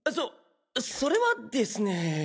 そそれはですね。